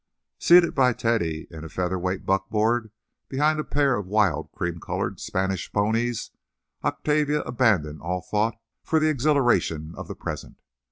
Seated by Teddy in a feather weight buckboard, behind a pair of wild, cream coloured Spanish ponies, Octavia abandoned all thought for the exhilaration of the present.